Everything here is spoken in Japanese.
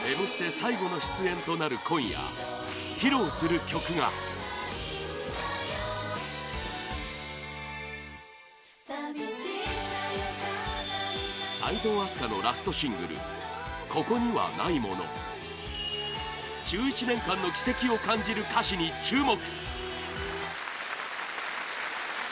最後の出演となる今夜、披露する曲が齋藤飛鳥のラストシングル「ここにはないもの」１１年間の軌跡を感じる歌詞に注目！